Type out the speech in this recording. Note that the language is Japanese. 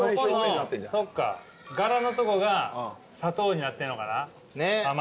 そっか柄のとこが砂糖になってんのかな甘い。